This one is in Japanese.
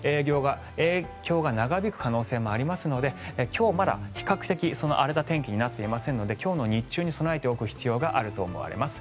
影響が長引く可能性もありますので今日はまだ比較的荒れた天気になっていませんので今日の日中に備えておく必要があると思います。